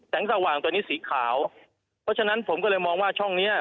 สว่างตัวนี้สีขาวเพราะฉะนั้นผมก็เลยมองว่าช่องเนี้ย